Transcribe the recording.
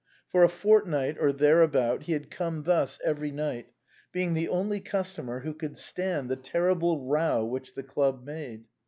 For a fortnight or thereabout, he had come thus every night, being the only customer who could stand the terrible row which the club made.